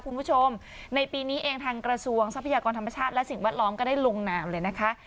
คุณผู้ชมในปีนี้เองทางกระทรวงทรัพยากรธรรมชาติและสิ่งแวดล้อมก็ได้ลงนามเลยนะคะ